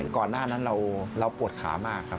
ก่อนหน้านั้นเราปวดขามากครับ